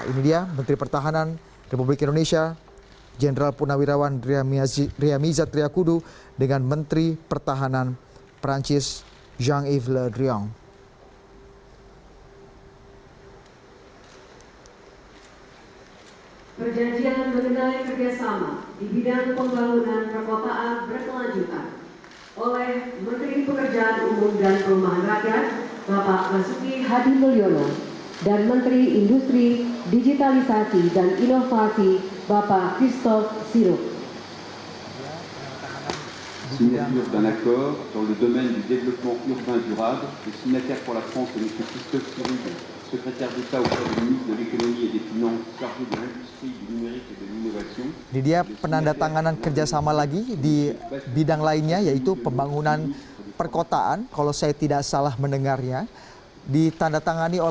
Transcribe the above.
ini dia menteri pertahanan republik indonesia jenderal puna wirawan ria mijat ria kudu dengan menteri pertahanan perancis jean yves le drian